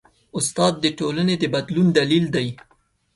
استاد د ټولنې د بدلون دلیل دی.